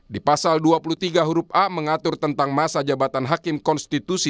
di pasal dua puluh tiga huruf a mengatur tentang masa jabatan hakim konstitusi